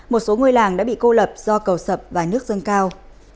một số người làng đã bị cô lập do cầu sập và nước dân cao